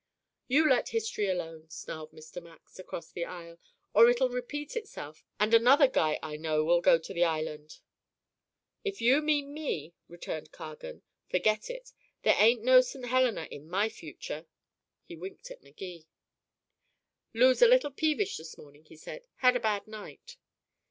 "You let history alone," snarled Mr. Max, across the aisle, "or it'll repeat itself and another guy I know'll go to the island." "If you mean me," returned Cargan, "forget it. There ain't no St. Helena in my future." He winked at Magee. "Lou's a little peevish this morning," he said. "Had a bad night."